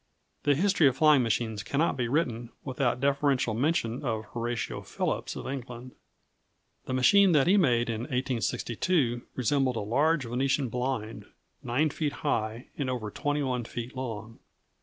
] The history of flying machines cannot be written without deferential mention of Horatio Phillips of England. The machine that he made in 1862 resembled a large Venetian blind, 9 feet high and over 21 feet long.